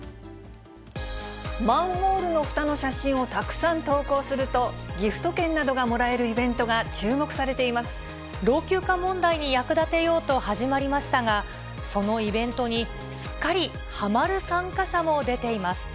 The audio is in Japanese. マンホールのふたの写真をたくさん投稿すると、ギフト券などがもらえるイベントが注目されて老朽化問題に役立てようと始まりましたが、そのイベントに、すっかりはまる参加者も出ています。